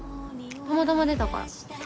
たまたま出たから。